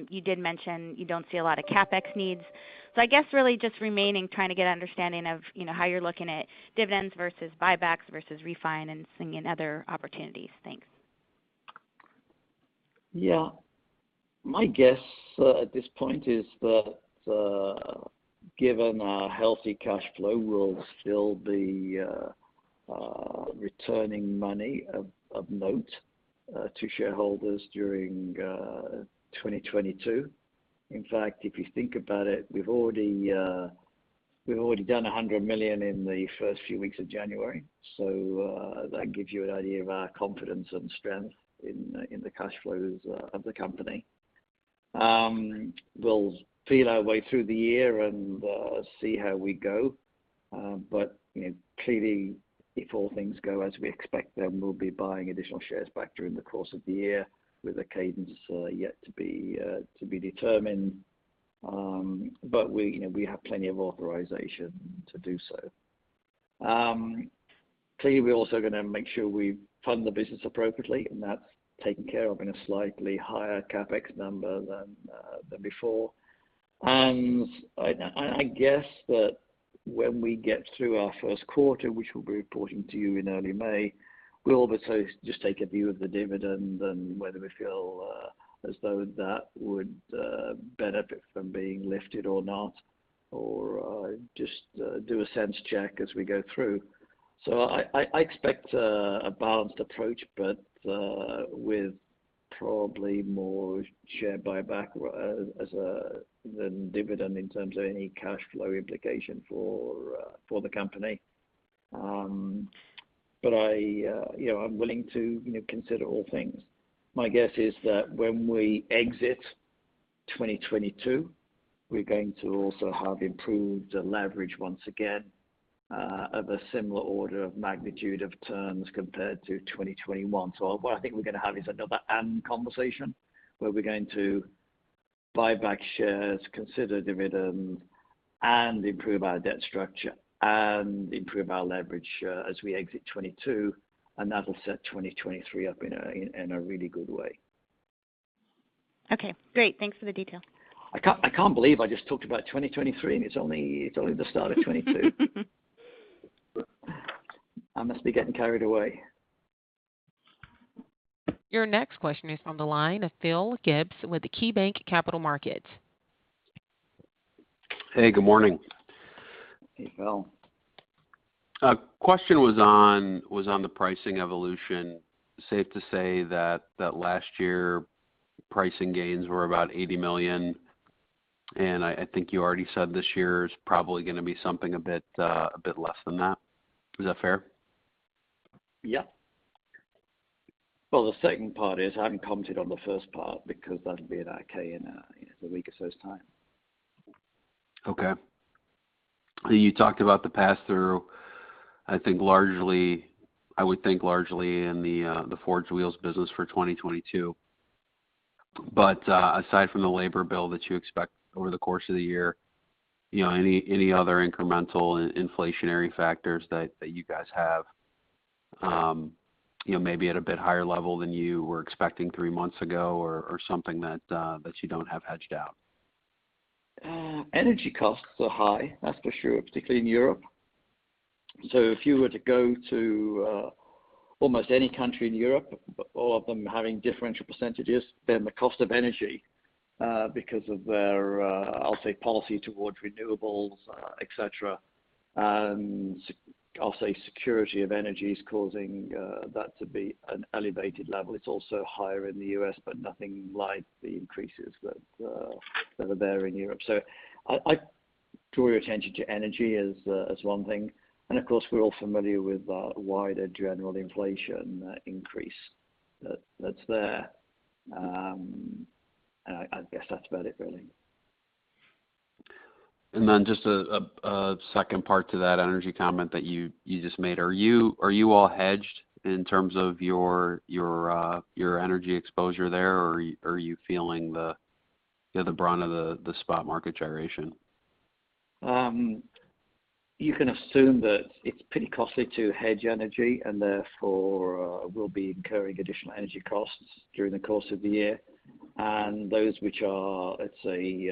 You did mention you don't see a lot of CapEx needs. I guess really just remaining trying to get an understanding of, you know, how you're looking at dividends versus buybacks versus refinancing and other opportunities. Thanks. Yeah. My guess at this point is that, given our healthy cash flow, we'll still be returning money of note to shareholders during 2022. In fact, if you think about it, we've already done $100 million in the first few weeks of January. So, that gives you an idea of our confidence and strength in the cash flows of the company. We'll feel our way through the year and see how we go. But you know, clearly, if all things go as we expect, then we'll be buying additional shares back during the course of the year with a cadence yet to be determined. But we you know, we have plenty of authorization to do so. Clearly, we're also gonna make sure we fund the business appropriately, and that's taken care of in a slightly higher CapEx number than before. I guess that when we get through our first quarter, which we'll be reporting to you in early May, we'll also just take a view of the dividend and whether we feel as though that would benefit from being lifted or not, or just do a sense check as we go through. I expect a balanced approach, but with probably more share buyback than dividend in terms of any cash flow implication for the company. I, you know, I'm willing to you know, consider all things. My guess is that when we exit 2022, we're going to also have improved the leverage once again, of a similar order of magnitude in terms compared to 2021. What I think we're gonna have is another end conversation where we're going to buy back shares, consider dividend, and improve our debt structure and improve our leverage, as we exit 2022, and that'll set 2023 up in a really good way. Okay, great. Thanks for the detail. I can't believe I just talked about 2023, and it's only the start of 2022. I must be getting carried away. Your next question is from the line of Philip Gibbs with KeyBanc Capital Markets. Hey, good morning. Hey, Phil. A question was on the pricing evolution. Safe to say that last year pricing gains were about $80 million, and I think you already said this year is probably gonna be something a bit less than that. Is that fair? Yeah. Well, the second part is I haven't commented on the first part because that'll be in our 10-K in the weeks to come. Okay. You talked about the pass-through, I think largely in the Forged Wheels business for 2022. Aside from the labor bill that you expect over the course of the year, you know, any other incremental inflationary factors that you guys have, you know, maybe at a bit higher level than you were expecting three months ago or something that you don't have hedged out? Energy costs are high, that's for sure, particularly in Europe. If you were to go to almost any country in Europe, all of them having differential percentages, then the cost of energy because of their, I'll say policy towards renewables, etc. I'll say security of energy is causing that to be an elevated level. It's also higher in the U.S., but nothing like the increases that are there in Europe. I draw your attention to energy as one thing. Of course, we're all familiar with wider general inflation increase that's there. I guess that's about it really. Just a second part to that energy comment that you just made. Are you all hedged in terms of your energy exposure there, or are you feeling the brunt of the spot market gyration? You can assume that it's pretty costly to hedge energy and therefore, we'll be incurring additional energy costs during the course of the year. Those which are, let's say,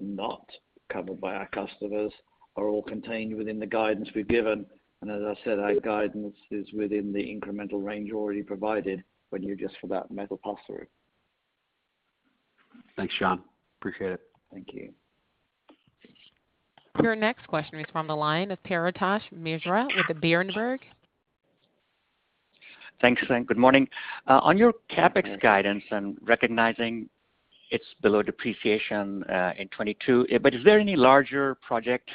not covered by our customers are all contained within the guidance we've given. As I said, our guidance is within the incremental range already provided when you adjust for that metal pass-through. Thanks, John. Appreciate it. Thank you. Your next question is from the line of Paretosh Misra with Berenberg. Thanks, and good morning. On your CapEx guidance and recognizing it's below depreciation in 2022. Is there any larger project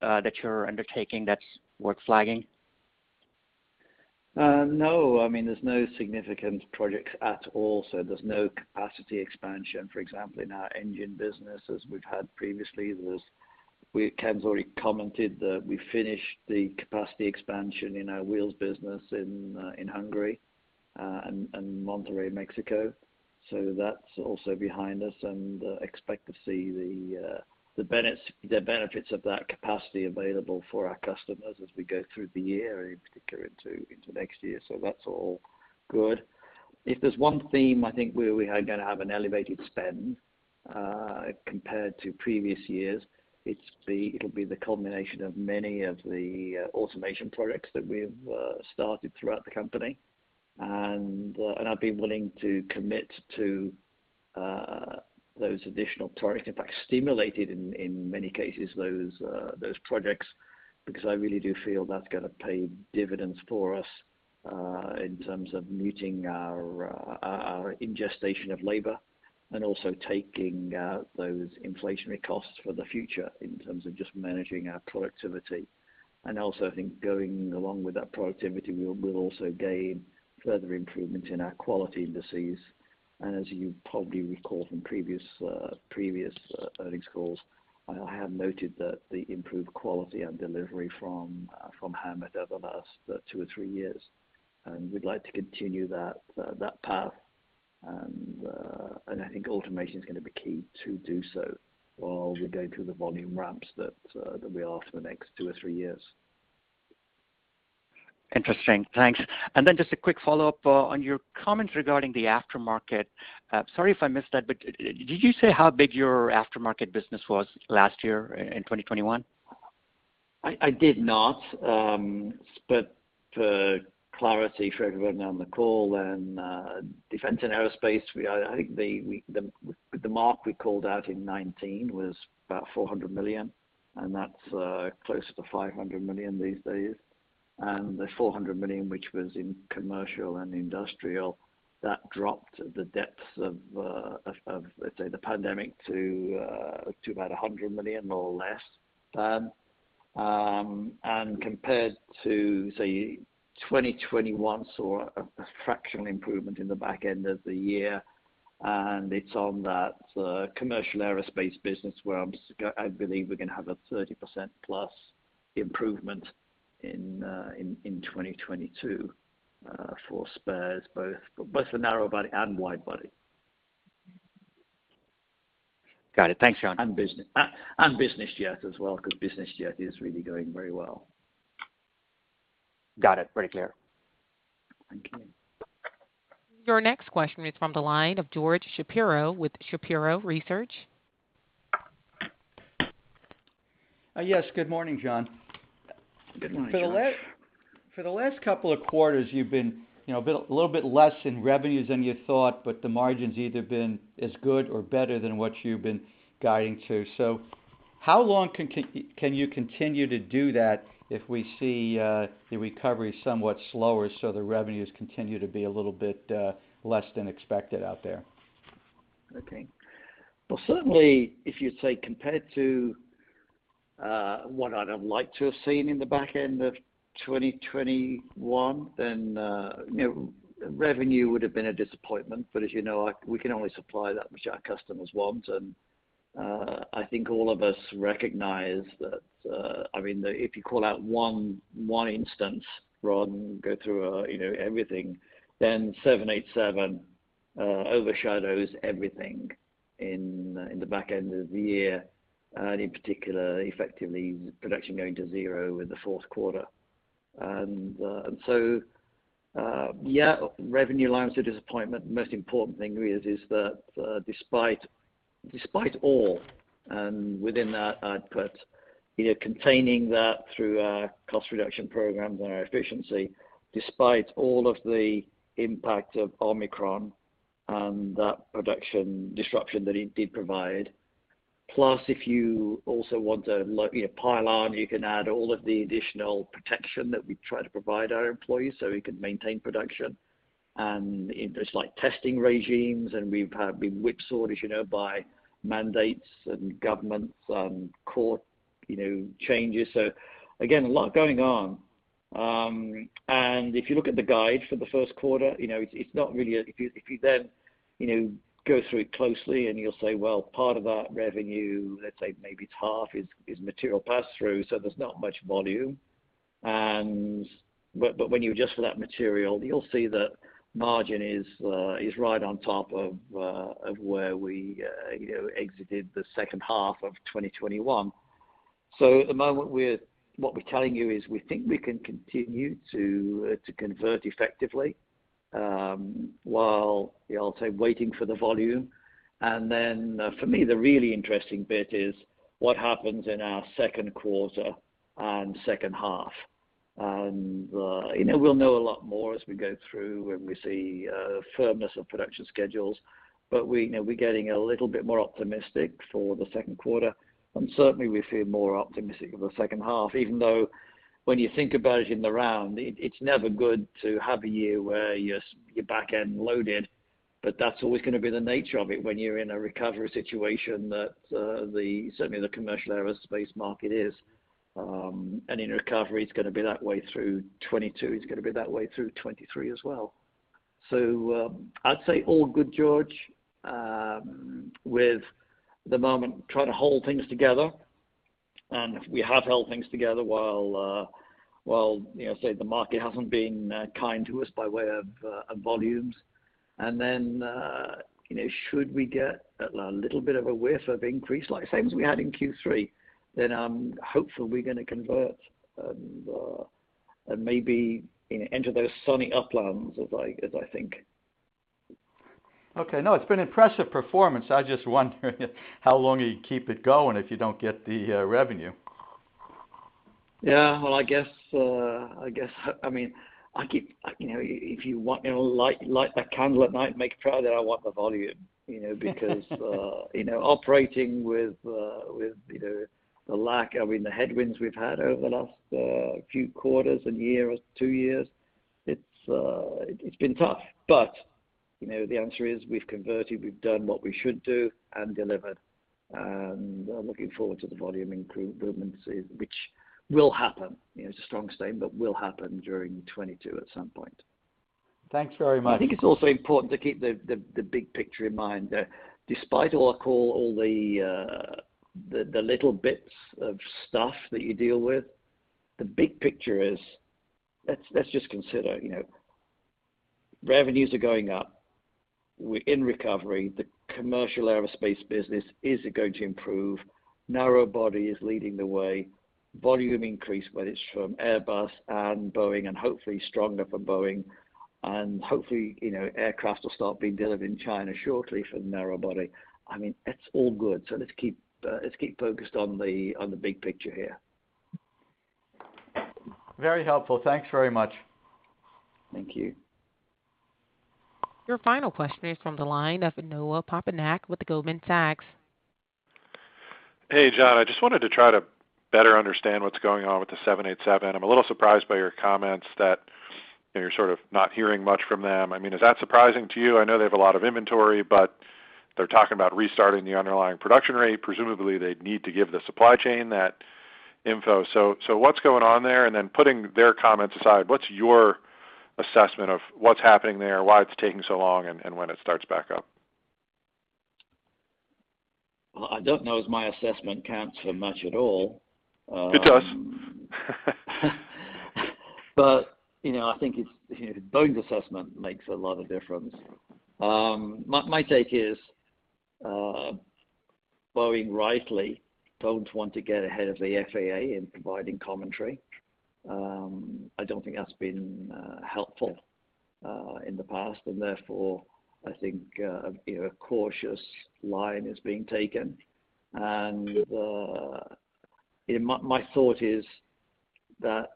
that you're undertaking that's worth flagging? No. I mean, there's no significant projects at all. So there's no capacity expansion, for example, in our engine business, as we've had previously. We, Ken's already commented that we finished the capacity expansion in our wheels business in Hungary and Monterrey, Mexico. So that's also behind us, and expect to see the benefits of that capacity available for our customers as we go through the year, in particular into next year. So that's all good. If there's one theme, I think we are gonna have an elevated spend compared to previous years. It's the culmination of many of the automation projects that we've started throughout the company. I've been willing to commit to those additional projects, in fact, I stimulated in many cases those projects, because I really do feel that's gonna pay dividends for us in terms of muting our augmentation of labor and also taking those inflationary costs for the future in terms of just managing our productivity. I think going along with that productivity, we'll also gain further improvement in our quality indices. As you probably recall from previous earnings calls, I have noted that the improved quality and delivery from Howmet over the last two or three years, and we'd like to continue that path. I think automation is gonna be key to do so while we go through the volume ramps that we are for the next two or three years. Interesting. Thanks. Then just a quick follow-up on your comments regarding the aftermarket. Sorry if I missed that, but did you say how big your aftermarket business was last year in 2021? I did not. But for clarity for everyone on the call and defense and aerospace, the mark we called out in 2019 was about $400 million, and that's closer to $500 million these days. The $400 million, which was in commercial and industrial, dropped to the depths of, let's say, the pandemic to about $100 million or less. Compared to, say, 2021, it saw a fractional improvement in the back-end of the year. It's on that commercial aerospace business where I believe we're gonna have a 30%+ improvement in 2022 for spares, both the narrow body and wide body. Got it. Thanks, John. Business jet as well, because business jet is really going very well. Got it. Very clear. Thank you. Your next question is from the line of George Shapiro with Shapiro Research. Yes, good morning, John. Good morning, George. For the last couple of quarters, you've been a little bit less in revenues than you thought, but the margins either been as good or better than what you've been guiding to. How long can you continue to do that if we see the recovery somewhat slower, so the revenues continue to be a little bit less than expected out there? Okay. Well, certainly if you say compared to what I'd have liked to have seen in the back-end of 2021, then, you know, revenue would have been a disappointment. As you know, we can only supply that which our customers want. I think all of us recognize that, I mean, if you call out one instance rather than go through, you know, everything, then 787 overshadows everything in the back-end of the year, and in particular, effectively production going to zero in the fourth quarter. So, yeah, revenue lines are a disappointment. Most important thing really is that despite all within that output. You know, containing that through our cost reduction programs and our efficiency, despite all of the impact of Omicron and that production disruption that it did provide. Plus, if you also want to like you know pile on, you can add all of the additional protection that we try to provide our employees so we can maintain production. It's like testing regimes, and we've been whipsawed, as you know, by mandates and governments and court you know changes. Again, a lot going on. If you look at the guide for the first quarter, you know, it's not really if you then go through it closely and you'll say, well, part of that revenue, let's say maybe it's half, is material pass through, so there's not much volume. But when you adjust for that material, you'll see that margin is right on top of where we, you know, exited the second half of 2021. At the moment, what we're telling you is we think we can continue to convert effectively, while, you know, I'll say waiting for the volume. For me, the really interesting bit is what happens in our second quarter and second half. You know, we'll know a lot more as we go through when we see firmness of production schedules. We, you know, we're getting a little bit more optimistic for the second quarter. Certainly we feel more optimistic of the second half, even though when you think about it in the round, it's never good to have a year where you're back-end loaded. That's always gonna be the nature of it when you're in a recovery situation that certainly the commercial aerospace market is. In recovery, it's gonna be that way through 2022. It's gonna be that way through 2023 as well. I'd say all good, George, at the moment trying to hold things together. We have held things together while, you know, say the market hasn't been kind to us by way of volumes. Then, you know, should we get a little bit of a whiff of increase like the same as we had in Q3, then I'm hopeful we're gonna convert and maybe, you know, enter those sunny uplands as I think. Okay. No, it's been impressive performance. I just wonder how long you keep it going if you don't get the revenue. Yeah. Well, I guess I mean I keep, you know, if you want me to light that candle at night, make sure that I want the volume, you know? Because, you know, operating with, you know, the lack, I mean, the headwinds we've had over the last few quarters and year or two years, it's been tough. You know, the answer is we've converted, we've done what we should do and delivered, and I'm looking forward to the volume improvements which will happen. You know, it's a strong statement, but will happen during 2022 at some point. Thanks very much. I think it's also important to keep the big picture in mind. Despite all the little bits of stuff that you deal with, the big picture is let's just consider, you know, revenues are going up. We're in recovery. The commercial aerospace business is going to improve. Narrow body is leading the way. Volume increase, whether it's from Airbus and Boeing and hopefully stronger for Boeing. Hopefully, you know, aircraft will start being delivered in China shortly for the narrow body. I mean, it's all good. Let's keep focused on the big picture here. Very helpful. Thanks very much. Thank you. Your final question is from the line of Noah Poponak with Goldman Sachs. Hey, John. I just wanted to try to better understand what's going on with the 787. I'm a little surprised by your comments that you're sort of not hearing much from them. I mean, is that surprising to you? I know they have a lot of inventory, but they're talking about restarting the underlying production rate. Presumably, they need to give the supply chain that info. So, what's going on there? Then putting their comments aside, what's your assessment of what's happening there, why it's taking so long, and when it starts back up? Well, I don't know if my assessment counts for much at all. It does. You know, I think it's Boeing's assessment makes a lot of difference. My take is Boeing rightly don't want to get ahead of the FAA in providing commentary. I don't think that's been helpful in the past. Therefore, I think you know, a cautious line is being taken. My thought is that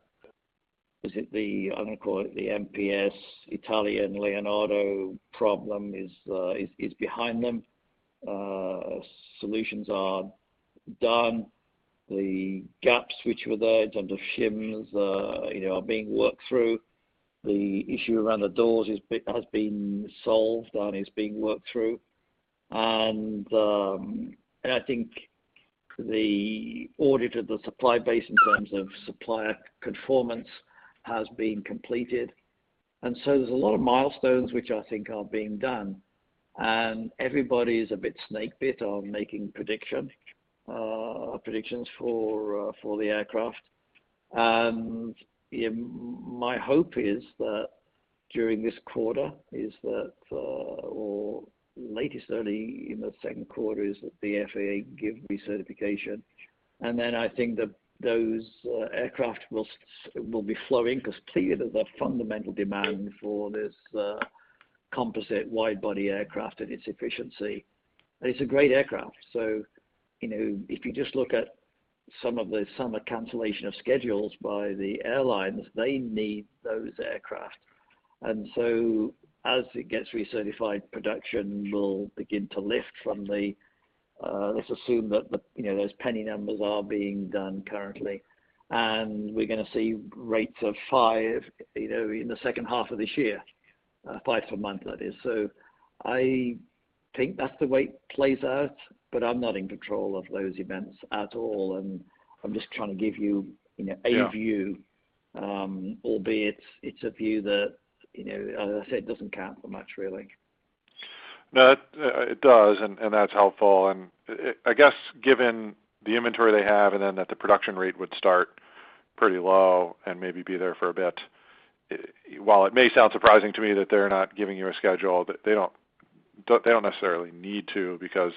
I'm gonna call it the MPS Italian Leonardo problem is behind them. Solutions are done. The gaps which were there in terms of shims you know, are being worked through. The issue around the doors has been solved and is being worked through. I think the audit of the supply base in terms of supplier conformance has been completed. There's a lot of milestones which I think are being done. Everybody is a bit snakebit on making predictions for the aircraft. My hope is that during this quarter or latest early in the second quarter the FAA give recertification. Then I think that those aircraft will be flowing 'cause clearly there's a fundamental demand for this composite wide-body aircraft and its efficiency. It's a great aircraft. You know, if you just look at some of the summer cancellation of schedules by the airlines, they need those aircraft. As it gets recertified, production will begin to lift from the, let's assume that the, you know, those penny numbers are being done currently, and we're gonna see rates of five, you know, in the second half of this year, five per month, that is. I think that's the way it plays out, but I'm not in control of those events at all, and I'm just trying to give you know. Yeah. A view, albeit it's a view that, you know, as I said, doesn't count for much, really. No, it does, and that's helpful. I guess given the inventory they have and then that the production rate would start pretty low and maybe be there for a bit, while it may sound surprising to me that they're not giving you a schedule, they don't necessarily need to because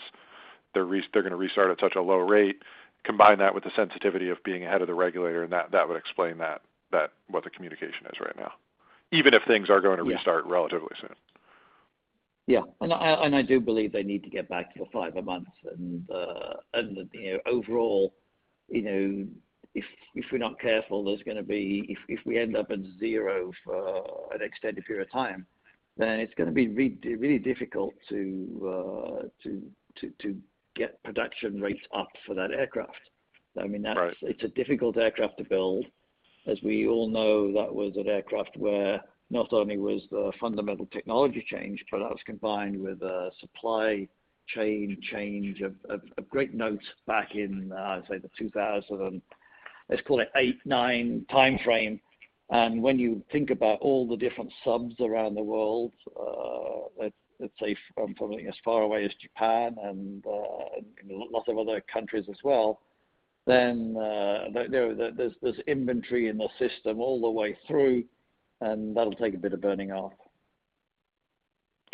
they're gonna restart at such a low rate. Combine that with the sensitivity of being ahead of the regulator, that would explain what the communication is right now, even if things are gonna restart. Yeah. Relatively soon. Yeah. I do believe they need to get back to the five a month and, you know, overall, you know, if we're not careful, there's gonna be. If we end up at zero for an extended period of time, then it's gonna be really difficult to get production rates up for that aircraft. I mean, that's. Right. It's a difficult aircraft to build. As we all know, that was an aircraft where not only was the fundamental technology changed, but that was combined with a supply chain change of great note back in, I'd say the 2008-2009 timeframe. When you think about all the different subs around the world, let's say from probably as far away as Japan and lots of other countries as well, then there's inventory in the system all the way through, and that'll take a bit of burning off.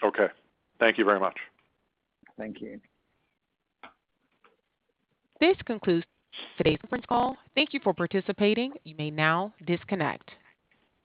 Okay. Thank you very much. Thank you. This concludes today's conference call. Thank you for participating. You may now disconnect.